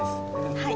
はい。